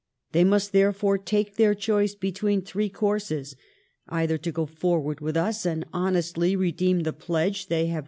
They must therefore take their choice between three coui*ses — either to go forward with us and honestly redeem the pledges they have